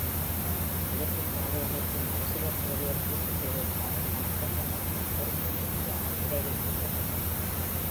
இருப்புப்பாதை அமைக்கும் அவசரத் தேவையைப் பூர்த்தி செய்வதற்காகக் கணக்கற்ற மரங்கள் பொறுப்பின்றி மிக விரைவில் அழிக்கப்பட்டன.